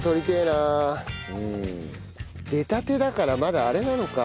出たてだからまだあれなのか。